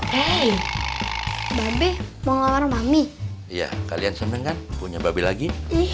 babi mau ngelamar mami ya kalian seneng kan punya babi lagi